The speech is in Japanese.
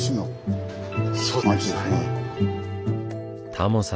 タモさん